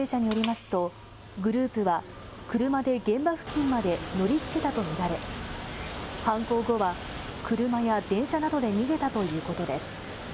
捜査関係者によりますと、グループは車で現場付近まで乗りつけたと見られ、犯行後は、車や電車などで逃げたということです。